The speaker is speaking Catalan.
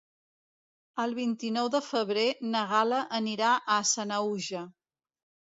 El vint-i-nou de febrer na Gal·la anirà a Sanaüja.